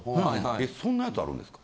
えそんなやつあるんですか？